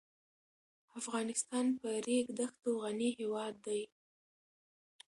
افغانستان په ریګ دښتو غني هېواد دی.